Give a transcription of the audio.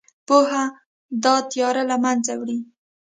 پوهه دا تیاره له منځه وړي.